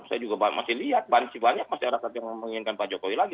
saya juga masih lihat masih banyak masyarakat yang menginginkan pak jokowi lagi